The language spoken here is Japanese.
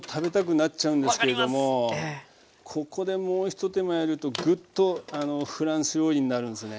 ここでもうひと手間やるとグッとフランス料理になるんですよね。